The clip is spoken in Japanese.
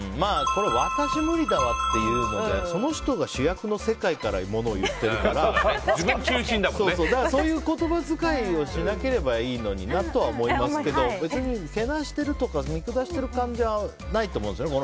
私、無理だわっていうのはその人が主役の世界からものを言ってるからそういう言葉遣いをしなければいいのになとは思いますけど別に、けなしてるとか見下してる感じはないと思うんですよね。